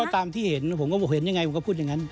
ตามที่เห็นผมก็บอกเห็นยังไงผมก็พูดอย่างนั้น